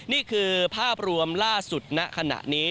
นี่คือภาพรวมล่าสุดณขณะนี้